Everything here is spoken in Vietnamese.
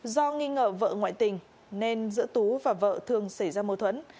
do nghi ngờ vợ ngoại tình nên giữa tú và vợ thường xảy ra mâu thuẫn